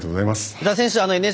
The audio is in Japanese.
宇田選手